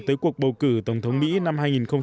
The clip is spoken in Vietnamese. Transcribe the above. tới cuộc bầu cử tổng thống mỹ năm hai nghìn một mươi sáu